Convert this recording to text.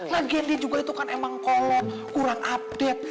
lagian dia juga itu kan emang kolom kurang update